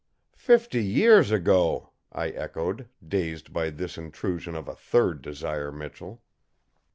"Fifty years ago!" I echoed, dazed by this intrusion of a third Desire Michell.